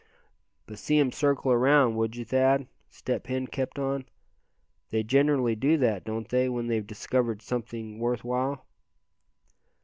"But see 'em circle around, would you, Thad," Step Hen kept on. "They generally do that, don't they, when they've discovered something worth while?"